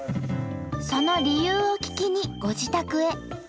その理由を聞きにご自宅へ。